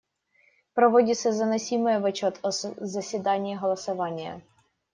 Проводится заносимое в отчет о заседании голосование.